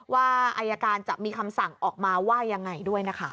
ว่าอายการจะมีคำสั่งออกมาว่ายังไงด้วยนะคะ